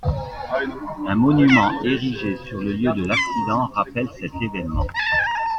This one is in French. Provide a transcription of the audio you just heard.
Un monument érigé sur le lieu de l'accident rappelle cet évènement.